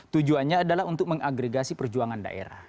tujuannya adalah untuk mengagregasi perjuangan daerah